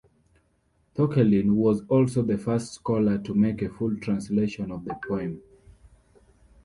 Thorkelin was also the first scholar to make a full translation of the poem.